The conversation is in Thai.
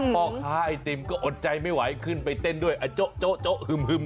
พ่อค้าไอติมก็อดใจไม่ไหวขึ้นไปเต้นด้วยโจ๊ะโจ๊ะโจ๊ะหึมซะหน่อย